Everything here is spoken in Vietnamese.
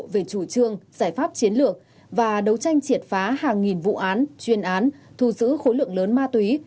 về chủ trương giải pháp chiến lược và đấu tranh triệt phá hàng nghìn vụ án chuyên án thu giữ khối lượng lớn ma túy